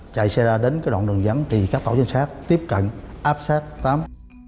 chạy xe ra đến đoạn đường dẫn thì các tổ trinh sát tiếp cận áp sát tám